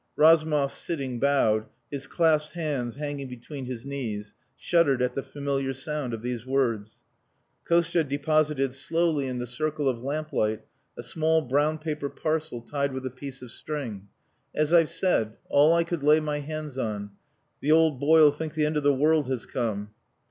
Razumov sitting bowed, his clasped hands hanging between his knees, shuddered at the familiar sound of these words. Kostia deposited slowly in the circle of lamplight a small brown paper parcel tied with a piece of string. "As I've said all I could lay my hands on. The old boy'll think the end of the world has come."